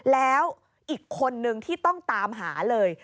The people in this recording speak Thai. แล้วอีกคนนึงที่ต้องตามหาเลย